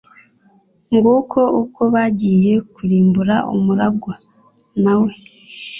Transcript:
Nguko uko bagiye kurimbura umuragwa na we